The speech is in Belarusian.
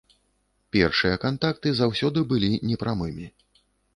Першыя кантакты заўсёды былі непрамымі.